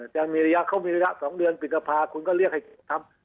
จะมีระยะเขามีระยะ๒เดือนปิดกภาคุณก็เรียกให้ทำ